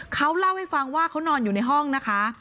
เขาเล่าให้ฟังว่าเขานอนอยู่ในห้องนะคะ